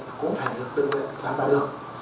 mà cũng thành được tương lai